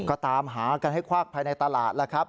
ก็ตามหากันให้ควักภายในตลาดแล้วครับ